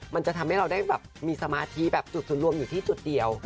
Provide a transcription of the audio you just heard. มันจะทำให้เราได้แบบมีสมาธิแบบจุดศูนย์รวมอยู่ที่จุดเดียว